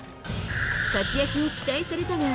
活躍を期待されたが、